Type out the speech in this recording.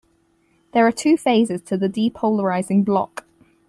There are two phases to the depolarizing block.